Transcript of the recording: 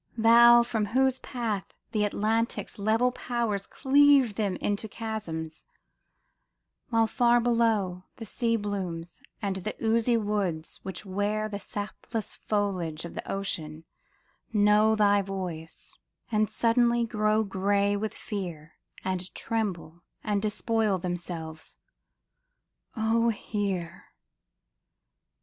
Thou For whose path the Atlantic's level powers Cleave themselves into chasms, while far below The sea blooms and the oozy woods which wear The sapless foliage of the ocean, know Thy voice, and suddenly grow grey with fear And tremble and despoil themselves : oh, hear